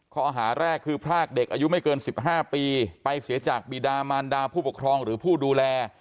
ข้อหาแรกคือพรากเด็กอายุไม่เกิน๑๕ปีไปเสียจากบีดามารดาผู้ปกครองหรือผู้ดูแล